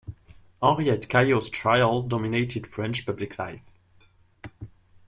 Henriette Caillaux's trial dominated French public life.